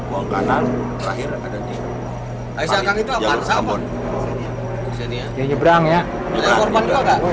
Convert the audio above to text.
buang kanan terakhir ada jalan